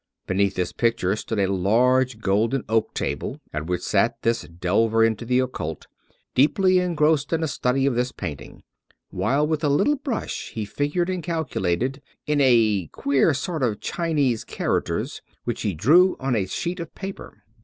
Beneatih this picture stood a large golden oak table at which sat this delver into the occult, deeply engrossed in a study of this painting; while with a little brush he figured and calculated, in a queer sort of Chinese characters, which he drew on a sheet of paper.